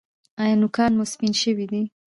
ایا نوکان مو سپین شوي دي؟